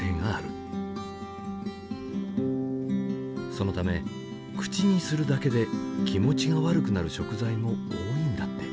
そのため口にするだけで気持ちが悪くなる食材も多いんだって。